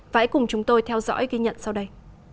hãy cùng chúng tôi theo dõi ghi nhận sau đây